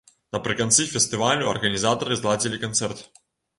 Напрыканцы фестывалю арганізатары зладзілі канцэрт.